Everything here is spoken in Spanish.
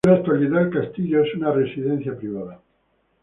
En la actualidad el castillo es una residencia privada.